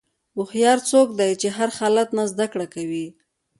هوښیار څوک دی چې د هر حالت نه زدهکړه کوي.